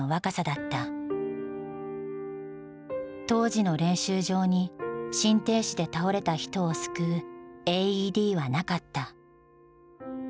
当時の練習場に心停止で倒れた人を救うＡＥＤはなかった。